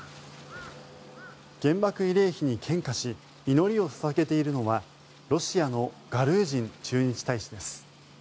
原爆慰霊碑に献花し祈りを捧げているのはロシアのガルージン駐日大使です。